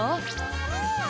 うん！